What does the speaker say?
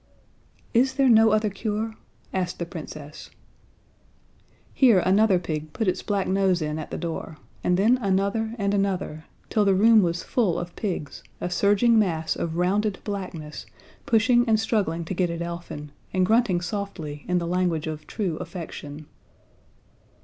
"Is there no other cure?" asked the Princess. Here another pig put its black nose in at the door, and then another and another, till the room was full of pigs, a surging mass of rounded blackness, pushing and struggling to get at Elfin, and grunting softly in the language of true affection.